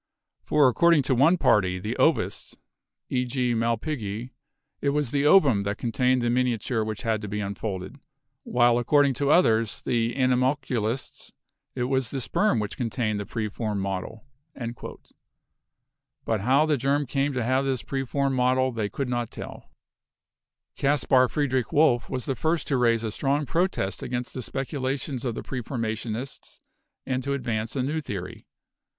For according to one party, the ovists — e.g., Malpighi — it was the ovum that contained the miniature which had to be unfolded; while according to others — the animalculists — it was the sperm which con tained the preformed model." But how the germ came to have this preformed model they could not tell. 248 BIOLOGY Caspar Friedrich Wolff was the first to raise a strong protest against the speculations of the preformationists and to advance a new theory.